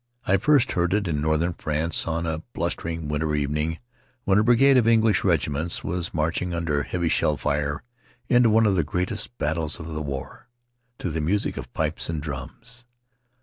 I first heard it in northern France on a blustering winter evening when a brigade of English regiments was marching, under heavy shell fire, into one of the greatest battles of the war, to the music of pipes and drums.